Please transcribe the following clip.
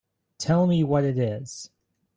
Tell me what it is.